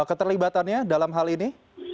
keterlibatannya dalam hal ini